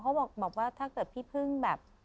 เขาบอกว่าถ้าเกิดพี่พึ่งแบบ